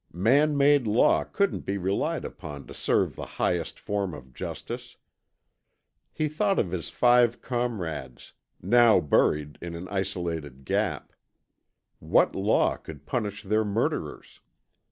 Man made law couldn't be relied upon to serve the highest form of justice. He thought of his five comrades, now buried in an isolated gap. What law could punish their murderers?